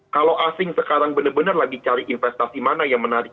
kalau asing sekarang benar benar lagi cari investasi mana yang menarik